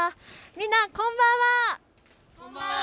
みんな、こんばんは。